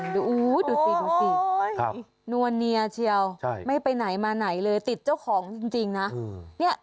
ถึงแม้เขาจะเป็นหมา